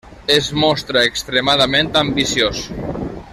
Es mostra extremadament ambiciós.